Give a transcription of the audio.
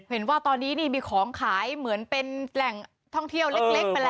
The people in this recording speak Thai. เห็นว่าตอนนี้นี่มีของขายเหมือนเป็นแหล่งท่องเที่ยวเล็กไปแล้ว